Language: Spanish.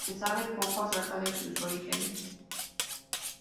Se sabe poco acerca de sus orígenes.